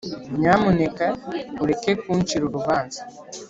nyamuneka ureke kuncira urubanza